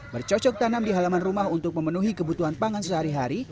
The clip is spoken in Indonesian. bercocok tanam di halaman rumah untuk memenuhi kebutuhan pangan sehari hari